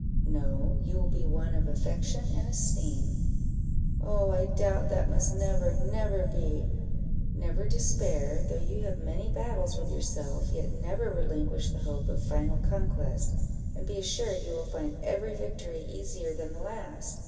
"No, you will be one of affection and esteem." "Oh, I doubt that must never, never be!" "Never despair; though you have many battles with yourself, yet never relinquish the hope of final conquest, and be assured you will find every victory easier than the last.